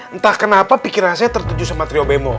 entah kenapa pikiran saya tertuju sama trio bemo